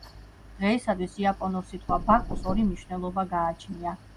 დღეისათვის, იაპონურ სიტყვა ბაკუს ორი მნიშვნელობა გააჩნია.